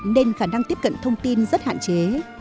nên khả năng tiếp cận thông tin rất hạn chế